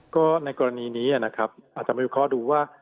ก็ในกรณีนี้อาจจะมีข้อดูว่า